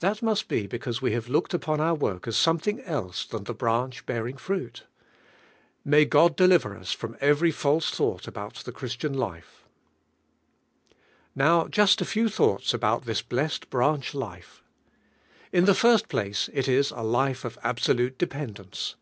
That must be because we have looked upon nur work as something else than the branch bearing fruit. May lii.ii deliver us from every false thought about the Chriatian life] Now, jus! a few Hi. iii liis about this blessed lu andi life. In tho first place it is a life of absolute dependence.